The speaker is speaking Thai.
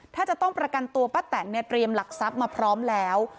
ถ้าจะต้องประกันตัวป้าแตนเนี่ยเตรียมหลักทรัพย์มาพร้อมแล้ว